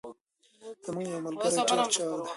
زمونږ یوه ملګري ډير چاغ دي.